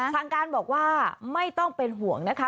ทางการบอกว่าไม่ต้องเป็นห่วงนะคะ